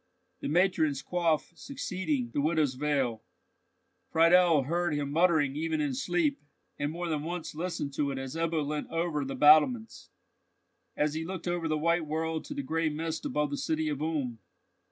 "The matron's coif succeeding the widow's veil," Friedel heard him muttering even in sleep, and more than once listened to it as Ebbo leant over the battlements—as he looked over the white world to the gray mist above the city of Ulm.